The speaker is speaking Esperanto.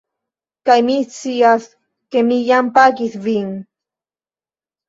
Kaj mi scias ke mi jam pagis vin